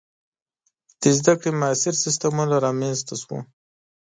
• د زده کړې معاصر سیستمونه رامنځته شول.